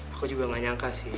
aku juga gak nyangka sih